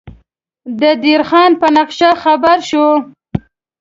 د دیر خان په نقشه خبر شو.